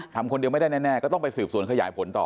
ทำคนเดียวไม่ได้แน่ก็ต้องไปสืบสวนขยายผลต่อ